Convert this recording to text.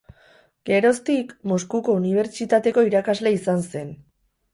Geroztik Moskuko unibertsitateko irakasle izan zen.